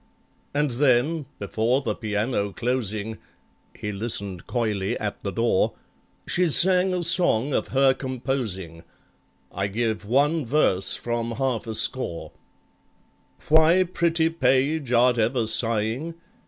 And then, before the piano closing (He listened coyly at the door), She sang a song of her composing— I give one verse from half a score: BALLAD Why, pretty page, art ever sighing?